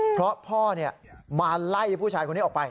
เพราะพ่อมาไล่ผู้ชายคนนี้ออกไป